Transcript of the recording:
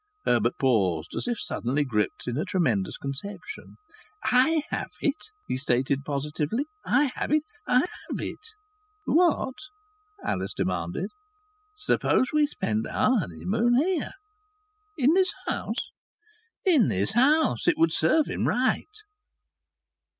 Herbert paused, as if suddenly gripped in a tremendous conception. "I have it!" he stated positively. "I have it! I have it!" "What?" Alice demanded. "Suppose we spend our honeymoon here?" "In this house?" "In this house. It would serve him right."